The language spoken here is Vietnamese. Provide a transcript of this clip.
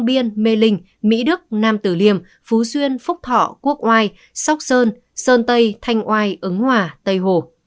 biên mê linh mỹ đức nam tử liêm phú xuyên phúc thọ quốc oai sóc sơn sơn tây thanh oai ứng hòa tây hồ